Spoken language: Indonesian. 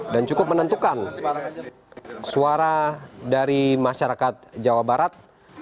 dan cukup menentukan suara dari masyarakat jawa barat